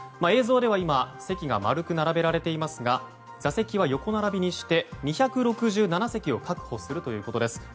映像では今席が丸く並べられていましたが座席は横並びにして２６７席を確保するということです。